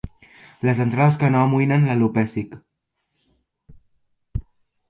Les entrades que no amoïnen l'alopècic.